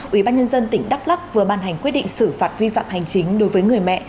ủy ban nhân dân tỉnh đắk lắk vừa ban hành quyết định xử phạt vi phạm hành chính đối với người mẹ